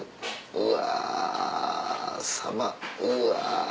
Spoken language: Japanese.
うわ。